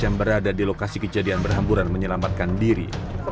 yang berada di lokasi kejadian berhamburan menyelamatkan diri